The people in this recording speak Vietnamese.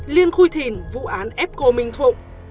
liên khuỳ thìn vụ án f cô minh thụng